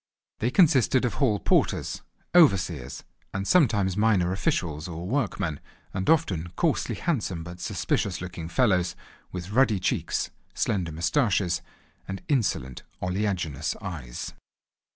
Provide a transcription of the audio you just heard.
They consisted of hall porters, overseers, and sometimes minor officials, or workmen, and often coarsely handsome but suspicious looking fellows with ruddy cheeks, slender moustaches, and insolent oleaginous eyes.